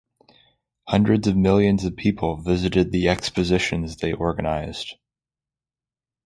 Hundreds of millions of people visited the expositions they organized.